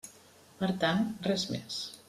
Per tant, res més.